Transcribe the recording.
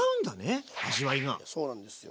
そうなんですよ。